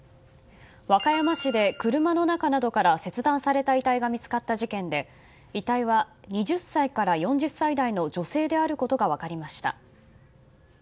和歌山市で車の中などから切断された遺体が見つかった事件で遺体は２０歳から４０歳代の女性であることが分かりました。